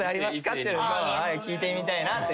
っていうのを聞いてみたいなと。